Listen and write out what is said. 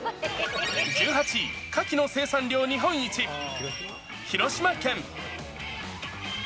１８位、カキの生産量日本一、広島県。